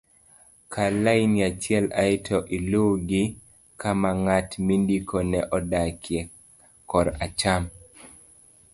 kal lain achiel aeto iluw gi kama ng'at mindikone odakie kor acham